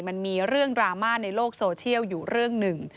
มันมีเรื่องดราม่าในโลกโซเชียลอยู่เรื่องหนึ่ง